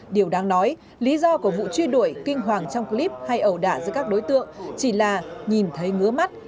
điều đáng nói lý do của vụ truy đuổi kinh hoàng trong clip hay ẩu đả giữa các đối tượng chỉ là nhìn thấy ngứa mắt